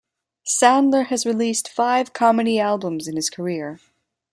Sandler has released five comedy albums in his career.